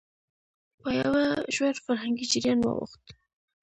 په يوه ژور فرهنګي جريان واوښت،